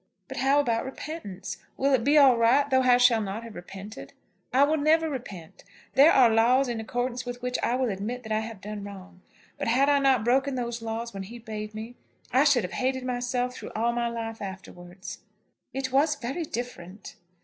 "But how about repentance? Will it be all right though I shall not have repented? I will never repent. There are laws in accordance with which I will admit that I have done wrong; but had I not broken those laws when he bade me, I should have hated myself through all my life afterwards." "It was very different."